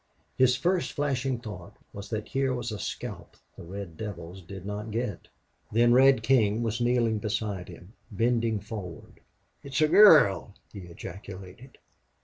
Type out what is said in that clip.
His first flashing thought was that here was a scalp the red devils did not get. Then Red King was kneeling beside him bending forward. "It's a girl!" he ejaculated.